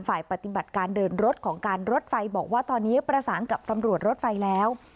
ฝ่ายปฏิบัติการเดินรถของการรถไฟบอกว่าตอนนี้ประสานกับตำรวจรถไฟแล้ว